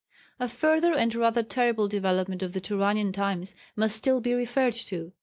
A further and rather terrible development of the Turanian times must still be referred to.